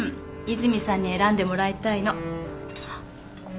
和泉さんに選んでもらいたいの。